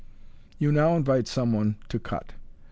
You now invite some one to cut.